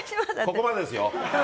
ここまでですよ。